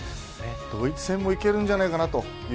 ドイツ戦もいけるんじゃないかな